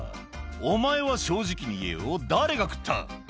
「お前は正直に言えよ誰が食った？」